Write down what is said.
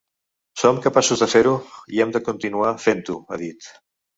Som capaços de fer-ho i hem de continuar fent-ho, ha dit.